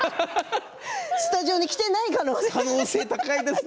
スタジオに来ていない可能性がね。